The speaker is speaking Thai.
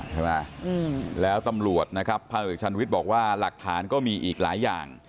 ใช่ไหมแล้วตำรวจนะครับพันเอกชันวิทย์บอกว่าหลักฐานก็มีอีกหลายอย่าง